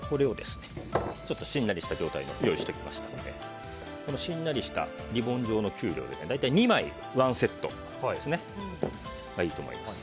しんなりした状態のものを用意しておきましたのでこのしんなりしたリボン状のキュウリを大体２枚１セットがいいと思います。